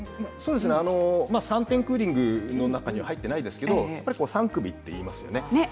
３点クーリングの中には入っていないですけれども３首といいますよね。